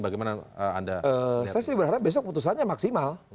saya sih berharap besok putusannya maksimal